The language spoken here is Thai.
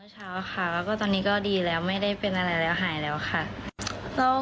เช้าค่ะแล้วก็ตอนนี้ก็ดีแล้วไม่ได้เป็นอะไรแล้วหายแล้วค่ะ